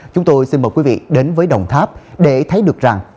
chúng tôi xin mời quý vị đến với đồng tháp để thấy được rằng